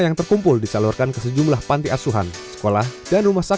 yang terkumpul disalurkan ke sejumlah panti asuhan sekolah dan rumah sakit